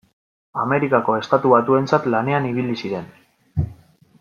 Amerikako Estatu Batuentzat lanean ibili ziren.